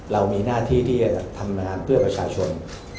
เรามีหน้าที่ที่จะทำงานเพื่อประชาชน